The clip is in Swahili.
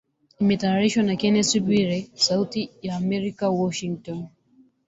Imetayarishwa na Kennes Bwire, Sauti Ya Amerika, Washington